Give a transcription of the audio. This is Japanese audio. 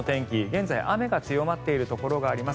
現在、雨が強まっているところがあります。